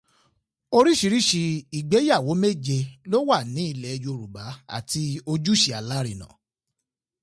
Oríṣiríṣi ìgbeyàwó méje ló wà nílẹ̀ Yorùbá àti ojúṣe Alárinà.